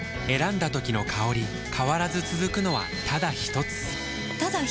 選んだ時の香り変わらず続くのはただひとつ？